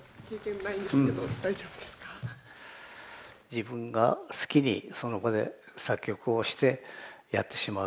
自分が好きにその場で作曲をしてやってしまう。